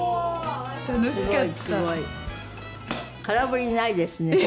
空振りないですね。